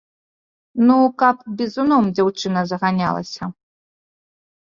Ну, каб бізуном дзяўчына заганялася.